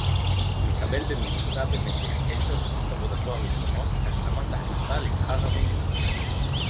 מקבל בממוצע במשך עשר שנות עבודתו הראשונות השלמת הכנסה לשכר המינימום